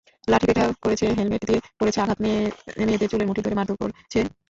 লাঠিপেটা করেছে, হেলমেট দিয়ে করেছে আঘাত, মেয়েদের চুলের মুঠি ধরে মারধর করেছে।